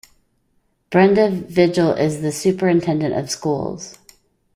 Brenda Vigil is the Superintendent of Schools.